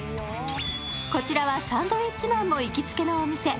こちらはサンドウィッチマンも行きつけのお店。